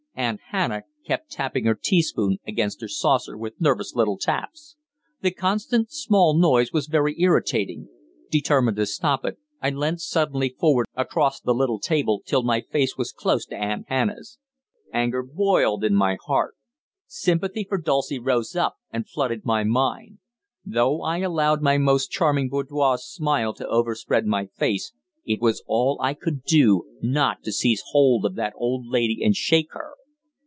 Aunt Hannah kept tapping her teaspoon against her saucer with nervous little taps. The constant "small noise" was very irritating. Determined to stop it, I leant suddenly forward across the little table, till my face was close to Aunt Hannah's. Anger boiled in my heart. Sympathy for Dulcie rose up and flooded my mind. Though I allowed my most charming "boudoir" smile to overspread my face, it was all I could do not to seize hold of that old lady and shake her.